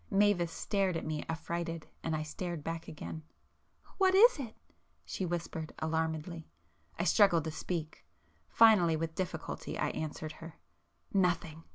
Mavis stared at me affrighted, and I stared back again. "What is it?" she whispered alarmedly. I struggled to speak,—finally, with difficulty I answered her— "Nothing!"